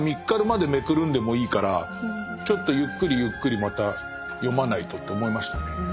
かるまでめくるんでもいいからちょっとゆっくりゆっくりまた読まないとって思いましたね。